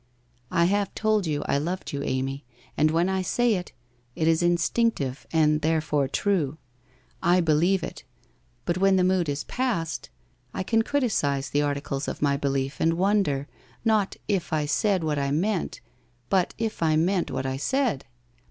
I have told you I loved you, Amy, and when I say it, it is instinctive and therefore true. I believe it, but when the mood is past, I can criticise the articles of my belief and wonder, not if I said what I meant, but if I meant what I said.